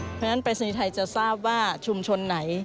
เพราะฉะนั้นไฟรีซางีไทจะทราบว่าชุมชนไหน